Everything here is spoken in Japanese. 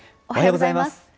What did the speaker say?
おはようございます。